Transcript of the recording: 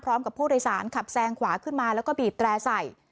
พร้อมกับผู้โดยสารขับแซงขวาขึ้นมาแล้วก็บีบแตร่ใส่